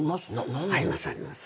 ありますあります。